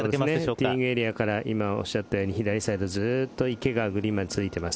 ティーイングエリアからおっしゃったように左サイドにずっと池がグリーンまで続いています。